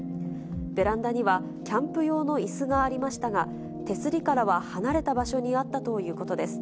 ベランダには、キャンプ用のいすがありましたが、手すりからは離れた場所にあったということです。